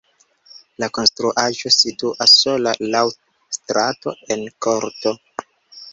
La konstruaĵo situas sola laŭ strato en korto.